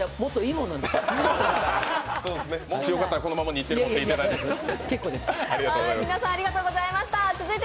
もしよかったらこのまま日テレに持っていっていただいて。